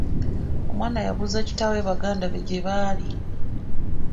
Omwana yabuuza kitaawe baganda be gye baali.